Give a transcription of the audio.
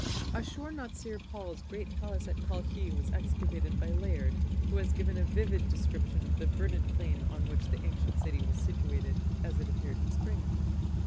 Ashur natsir pal's great palace at Kalkhi was excavated by Layard, who has given a vivid description of the verdant plain on which the ancient city was situated, as it appeared in spring.